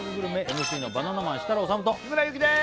ＭＣのバナナマン設楽統と日村勇紀です